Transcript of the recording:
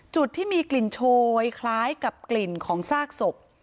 จุดที่มีกลิ่นโชยคล้ายกับกลิ่นของซากศพ